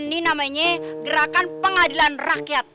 ini namanya gerakan pengadilan rakyat